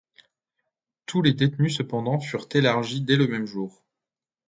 Tous les détenus cependant furent élargis dès le même jour.